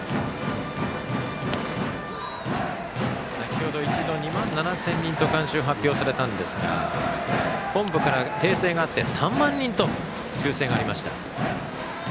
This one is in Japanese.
先ほど一度２万７０００人と観衆、発表されたんですが本部から訂正があって３万人と修正がありました。